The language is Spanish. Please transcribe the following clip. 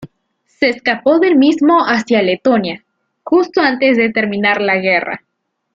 Se escapó del mismo hacia Letonia justo antes de terminar la guerra.